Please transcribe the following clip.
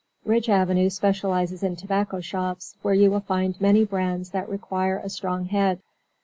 Ridge Avenue specializes in tobacco shops, where you will find many brands that require a strong head.